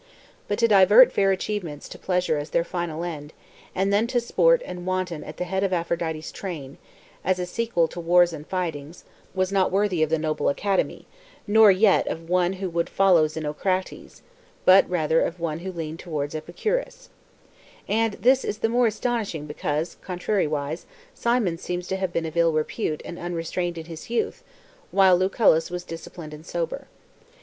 But to divert fair achievements to pleasure as their final end, and then to sport and wanton at the head of Aphrodite's train, as a sequel to wars and fightings, was not worthy of the noble Academy, nor yet of one who would follow Xenocrates, but rather of one who leaned towards Epicurus, And this is the more astonishing, because, contrariwise, Cimon. seems to have been of ill repute and un restrained in his youth, while Lucullus was dis ciplined and sober.